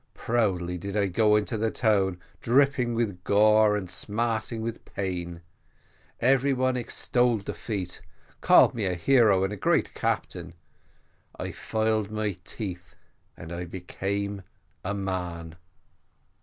Proudly did I go into the town dripping with gore and smarting with pain. Every one extolled the feat, called me a hero and a great captain. I filed my teeth, and I became a man.